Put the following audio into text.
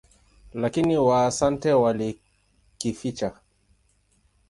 Lakini Waasante walikificha.